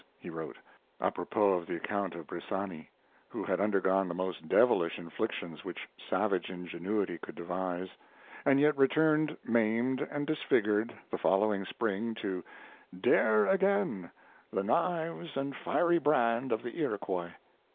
he wrote, apropos of the account of Bressani, who had undergone the most devilish inflictions which savage ingenuity could devise, and yet returned maimed and disfigured the following spring to "dare again the knives and fiery brand of the Iroquois."